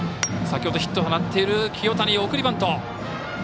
先ほどヒットを放っている清谷が送りバント。